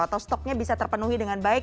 atau stoknya bisa terpenuhi dengan baik